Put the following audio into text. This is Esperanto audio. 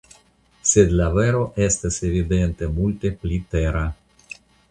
Sed la vero estas evidente multe pli tera.